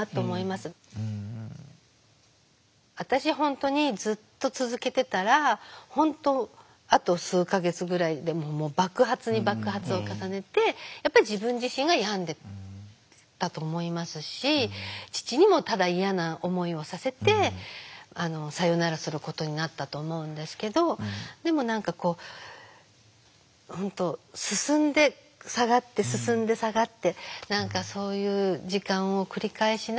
本当にずっと続けてたら本当あと数か月ぐらいで爆発に爆発を重ねてやっぱり自分自身が病んでたと思いますし父にもただ嫌な思いをさせてさよならすることになったと思うんですけどでも何かこう本当進んで下がって進んで下がって何かそういう時間を繰り返しながら。